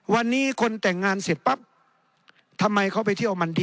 วันนี้คนแต่งงานเสร็จปั๊บทำไมเขาไปเที่ยวมันดี